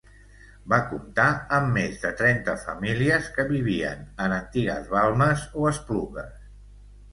Va comptar amb més de trenta famílies que vivien en antigues balmes o esplugues.